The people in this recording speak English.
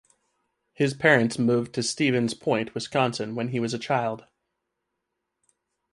His parents moved to Stevens Point, Wisconsin when he was a child.